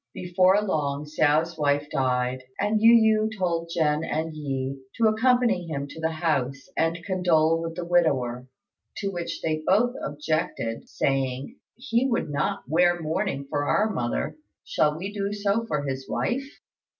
Before long Hsiao's wife died, and Yu yü told Jen and Yi to accompany him to the house and condole with the widower; to which they both objected, saying, "He would not wear mourning for our mother; shall we do so for his wife?"